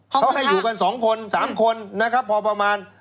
เขาให้อยู่กัน๒คน๓คนนะครับพอประมาณ